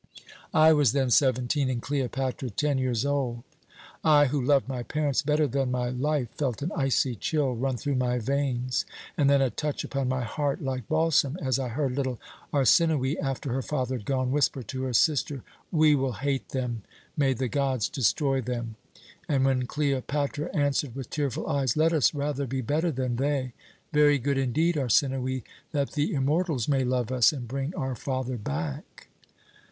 "I was then seventeen and Cleopatra ten years old. I, who loved my parents better than my life, felt an icy chill run through my veins and then a touch upon my heart like balsam, as I heard little Arsinoë, after her father had gone, whisper to her sister, 'We will hate them may the gods destroy them!' and when Cleopatra answered with tearful eyes, 'Let us rather be better than they, very good indeed, Arsinoë, that the immortals may love us and bring our father back.'